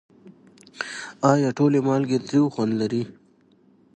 آیا ټولې مالګې تریو خوند لري؟